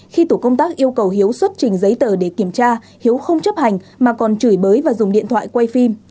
khi tổ công tác yêu cầu hiếu xuất trình giấy tờ để kiểm tra hiếu không chấp hành mà còn chửi bới và dùng điện thoại quay phim